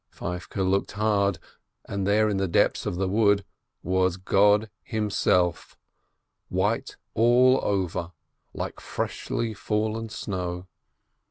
Feivke looked hard, and there in the depths of the wood was God Himself, white all over, like freshly fallen snow.